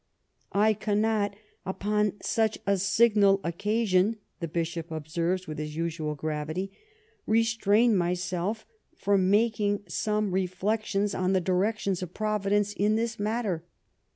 " I cannot, upon such a signal occasion," the Bishop observes, with his usual gravity, " restrain my self from making some reflections on the directions of Providence in this matter.